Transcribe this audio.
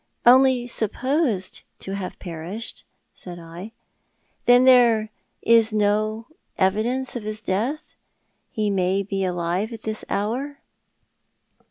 " Only supposed to have perished ?" said I. " Then there is really no evidence of his death. He may be alive at this hour."